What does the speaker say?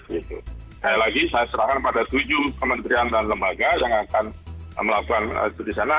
sekali lagi saya serahkan pada tujuh kementerian dan lembaga yang akan melakukan itu di sana